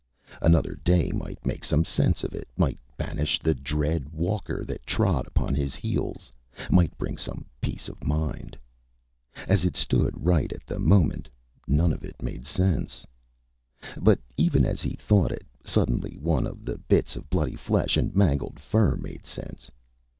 Another day might make some sense of it, might banish the dread walker that trod upon his heels, might bring some peace of mind. As it stood right at the moment, none of it made sense. But even as he thought it, suddenly one of the bits of bloody flesh and mangled fur made sense.